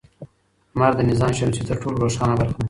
لمر د نظام شمسي تر ټولو روښانه برخه ده.